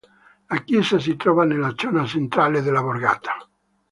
La chiesa si trova nella zona centrale della borgata.